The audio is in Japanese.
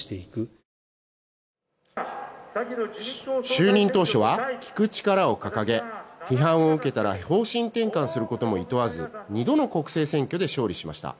就任当初は聞く力を掲げ批判を受けたら方針転換することもいとわず２度の国政選挙で勝利しました。